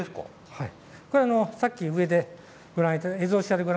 はい。